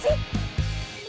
bisa pake sendiri